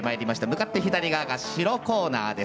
向かって左側、白コーナー。